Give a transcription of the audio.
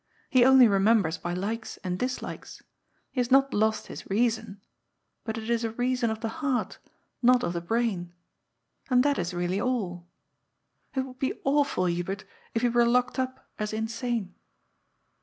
He only remembers by likes and dislikes. He has not lost his reason. But it is a reason of the heart, not of the brain. And that is really all. It would be awful, Hubert, if he were locked up as insane."